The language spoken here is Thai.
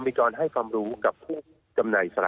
มีการให้ความรู้กับผู้จำหน่ายสระ